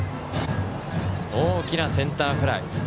大きなセンターフライ。